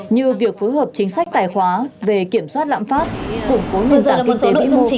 như việc phối hợp chính sách tài khoá về kiểm soát lãm phát củng cố nền tảng kinh tế vĩ mục